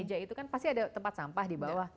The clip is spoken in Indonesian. geja itu kan pasti ada tempat sampah di bawah